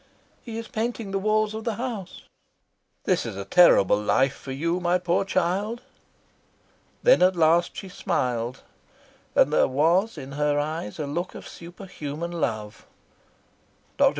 "He is painting the walls of the house." "This is a terrible life for you, my poor child." Then at last she smiled, and there was in her eyes a look of superhuman love. Dr.